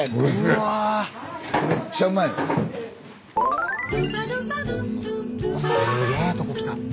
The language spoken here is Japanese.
わっすげえとこ来た！